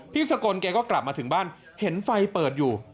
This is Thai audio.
พี่สโกนเขาก็กลับมาถึงบ้านเห็นไฟเปิดอยู่